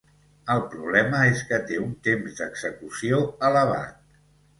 El problema és que té un temps d'execució elevat.